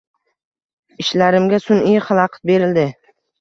Ishlarimga sun’iy xalaqit berildi.